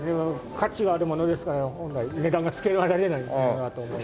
価値があるものですから本来値段がつけられないというのがあると思います。